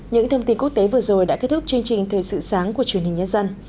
những thông tin quốc tế vừa rồi đã kết thúc chương trình thời sự sáng của truyền hình nhân dân